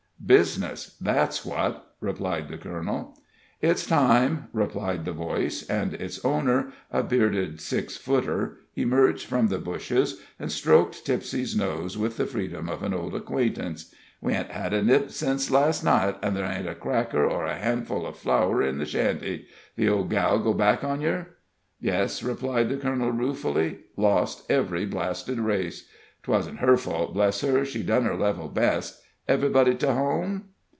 "Business that's what," replied the colonel. "It's time," replied the voice, and its owner a bearded six footer emerged from the bushes, and stroked Tipsie's nose with the freedom of an old acquaintance. "We hain't had a nip sence last night, an' thar' ain't a cracker or a handful of flour in the shanty. The old gal go back on yer?" "Yes," replied the colonel, ruefully lost ev'ry blasted race. 'Twasn't her fault, bless her she done her level best. Ev'rybody to home?"